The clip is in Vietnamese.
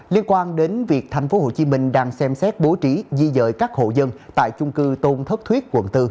liên quan đến việc tp hcm đang xem xét bố trí di dời các hộ dân tại chung cư tôn thất thuyết quận bốn